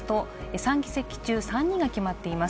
３議席中３人が決まっています。